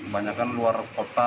banyakkan luar kota